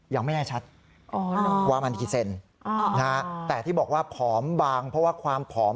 ยังไม่แน่ชัดว่ามันกี่เซนแต่ที่บอกว่าผอมบางเพราะว่าความผอม